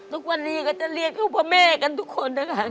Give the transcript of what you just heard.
ทุกวันนี้ก็จะเรียกอุปเมฆกันทุกคนนะคะ